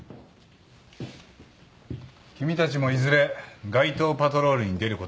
君たちもいずれ街頭パトロールに出ることになる。